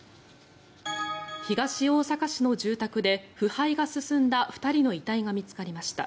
東大阪市の住宅で腐敗が進んだ２人の遺体が見つかりました。